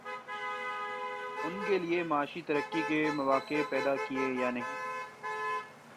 ان کے لیے معاشی ترقی کے مواقع پیدا کیے یا نہیں؟